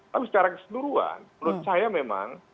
tapi secara keseluruhan menurut saya memang